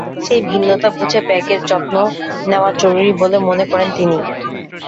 সেই ভিন্নতা বুঝে ব্যাগের যত্ন নেওয়া জরুরি বলে মনে করেন তিনি।